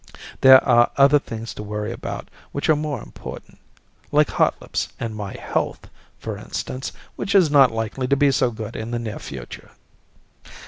There are other things to worry about which are more important like Hotlips' and my health, for instance, which is not likely to be so good in the near future.